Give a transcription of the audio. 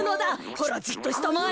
ほらじっとしたまえ。